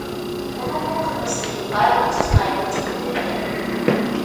ئۇنىڭ بۇ قىلمىشلىرى پارا ئېلىش جىنايىتىگە چېتىلىدىكەن.